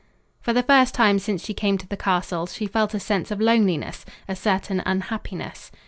For the first time since she came to the castle, she felt a sense of loneliness, a certain unhappiness.